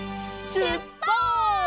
しゅっぱつ！